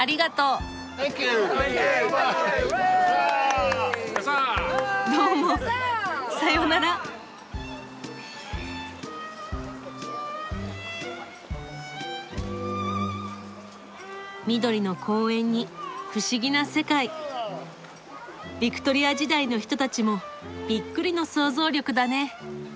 ビクトリア時代の人たちもびっくりの想像力だね。